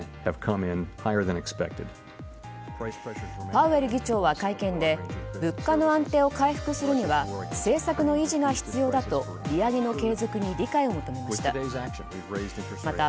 パウエル議長は会見で物価の安定を回復するには政策の維持が必要だと利上げの継続に理解を求めました。